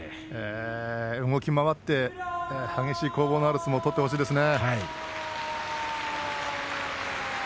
動き回って激しい攻防のある相撲を取ってほしいですね。